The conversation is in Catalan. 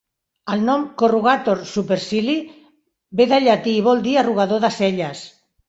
El nom "corrugator supercilii" ve del llatí, i vol dir "arrugador de celles".